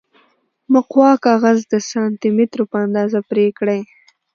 مقوا کاغذ د سانتي مترو په اندازه پرې کړئ.